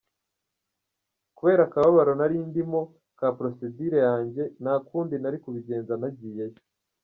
Kubera akababaro nari ndimo ka procédure yanjye, nta kundi nari kubigenza nagiyeyo.